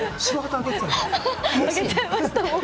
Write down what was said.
上げちゃいましたもう。